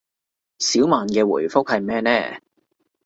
小曼嘅回覆係咩呢